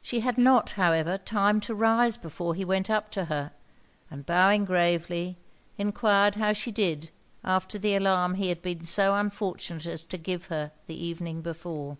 She had not, however, time to rise before he went up to her, and bowing gravely, enquired how she did after the alarm he had been so unfortunate as to give her the evening before?